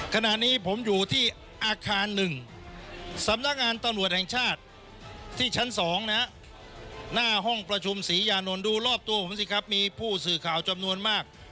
ขณะนี้ผมอยู่ที่อาคาร๑สำนักงานตำรวจแห่งชาติที่ชั้น๒นะฮะหน้าห้องประชุมศรียานนท์ดูรอบตัวผมสิครับมีผู้สื่อข่าวจำนวนมาก